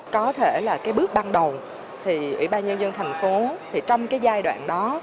có thể là bước ban đầu thì ủy ban nhân dân thành phố trong giai đoạn đó